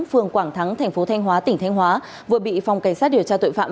phường quảng thắng tp thanh hóa tỉnh thanh hóa vừa bị phòng cảnh sát điều tra tội phạm